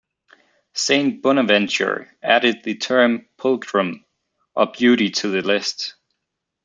Saint Bonaventure added the term "pulchrum" or beauty to the list.